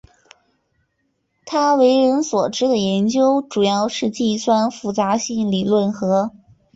他为人所知的研究主要是计算复杂性理论和。